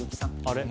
あれ？